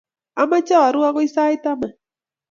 Amache aru akoy sait taman